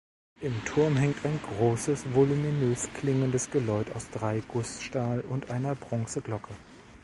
Im Turm hängt ein großes, voluminös klingendes Geläut aus drei Gussstahl- und einer Bronzeglocke.